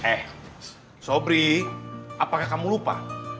eh sobri apakah kamu lupa